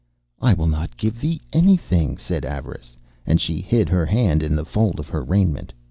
'I will not give thee anything,' said Avarice, and she hid her hand in the fold of her raiment.